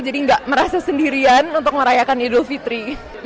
jadi gak merasa sendirian untuk merayakan idul fitri